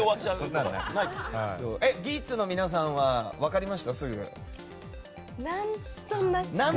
「ギーツ」の皆さんは分かります？